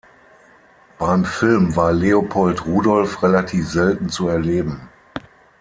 Beim Film war Leopold Rudolf relativ selten zu erleben.